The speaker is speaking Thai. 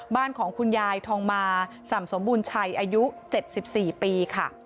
บ้านของคุณยายทองมาส่ำสมบูรณชัยอายุ๗๔ปีค่ะ